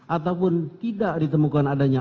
ataupun tidak ditemukan adanya